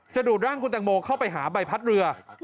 ดูดร่างคุณแตงโมเข้าไปหาใบพัดเรือ